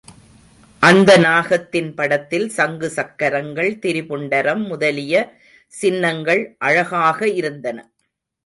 அந்த நாகத்தின் படத்தில் சங்கு சக்கரங்கள் திரிபுண்டரம் முதலிய சின்னங்கள் அழகாக இருந்தன.